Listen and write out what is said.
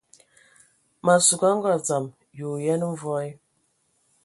Ma sug a ngɔ dzam, yi onə mvɔí ?